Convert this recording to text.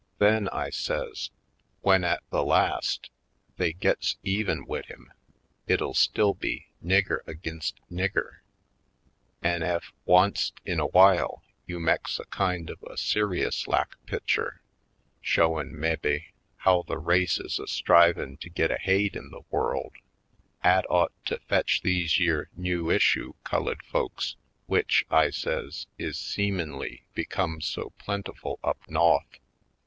Then," I says, "w'en, at the last, they gits even wid him it'll still be nigger ag'inst nigger. An' ef, once't in awhile, you mel^s a kind of a serious lak pitcher, showin', mebbe, how the race is a strivin' to git ahaid in the world, 'at ought to fetch these yere new issue cullid folks w'ich," I says, "is seemin'ly become so plentiful up Nawth.